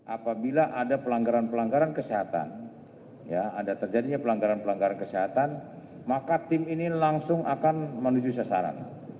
apabila ada pelanggaran pelanggaran kesehatan maka tim ini langsung akan menuju sasaran